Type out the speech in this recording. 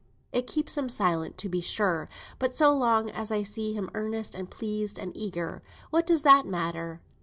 It keeps him silent, to be sure; but so long as I see him earnest, and pleased, and eager, what does that matter?